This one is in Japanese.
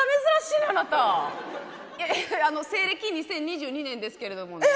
いや西暦２０２２年ですけれどもね。